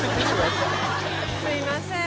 すいません